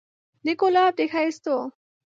د ګلاب د ښايستو